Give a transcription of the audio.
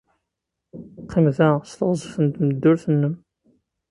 Qqim da s teɣzef n tmeddurt-nnem.